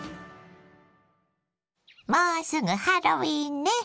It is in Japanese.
もうすぐハロウィーンね。